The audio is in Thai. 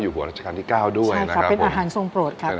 อยู่บัวรัชกาลที่๙ด้วยนะครับผมใช่ครับเป็นอาหารทรงโปรดครับ